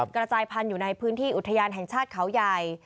กระจายพันธุ์อยู่ในพื้นที่อุทยานแห่งชาติเขาใหญ่